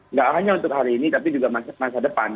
nggak hanya untuk hari ini tapi juga masa depan